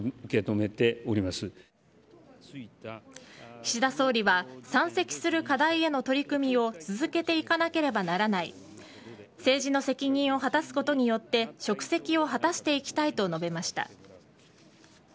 岸田総理は山積する課題への取り組みを続いていかなければならない政治の責任を果たすことによって職責を果たしていきたいと述べました。